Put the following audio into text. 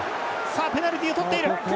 ペナルティをとっている。